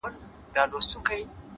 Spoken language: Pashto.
o زه خو یارانو نامعلوم آدرس ته ودرېدم ،